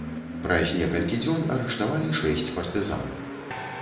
Праз некалькі дзён арыштавалі шэсць партызан.